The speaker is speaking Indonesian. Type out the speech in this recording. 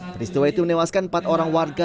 peristiwa itu menewaskan empat orang warga